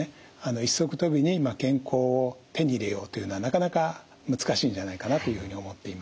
一足飛びに健康を手に入れようというのはなかなか難しいんじゃないかなというふうに思っています。